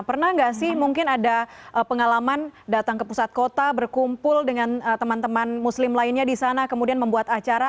pernah nggak sih mungkin ada pengalaman datang ke pusat kota berkumpul dengan teman teman muslim lainnya di sana kemudian membuat acara